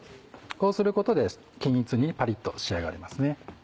こうすることで均一にパリっと仕上がりますね。